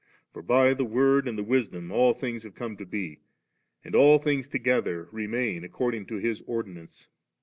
For by the Word and the l/Hsdom all thiiu^s have come to be, and all things together remam according to His ordinance 9.